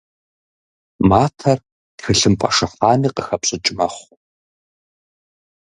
Матэр тхылъымпӏэ шыхьами къыхэпщӏыкӏ мэхъур.